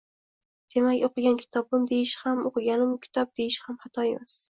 Demak, oʻqigan kitobim deyish ham, oʻqiganim kitob deyish ham xato emas